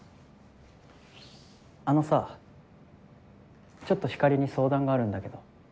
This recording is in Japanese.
あのさちょっとひかりに相談があるんだけど。